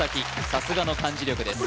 さすがの漢字力です